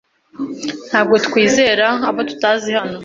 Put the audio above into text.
Ntabwo twizera abo tutazi hano.